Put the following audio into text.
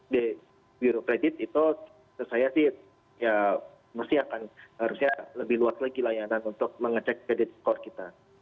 di biro kredit itu saya sih ya mesti akan harusnya lebih luas lagi layanan untuk mengecek kredit skor kita